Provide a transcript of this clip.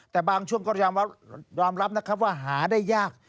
แต่บางช่วงดรามรับว่าหาได้ยาก